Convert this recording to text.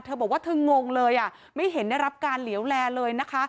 เธอบอกว่าเธองงเลยอ่ะไม่เห็นได้รับการเหลวแลเลยนะคะ